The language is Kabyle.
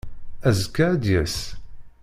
Azekka ad d-yas.